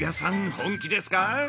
本気ですか。